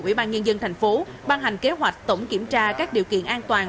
ủy ban nhân dân thành phố ban hành kế hoạch tổng kiểm tra các điều kiện an toàn